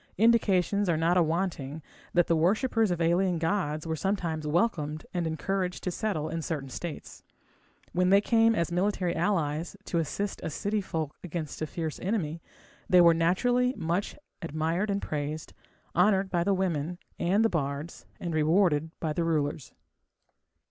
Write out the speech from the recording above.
Indications are not awanting that the worshippers of alien gods were sometimes welcomed and encouraged to settle in certain states. When they came as military allies to assist a city folk against a fierce enemy, they were naturally much admired and praised, honoured by the women and the bards, and rewarded by the rulers.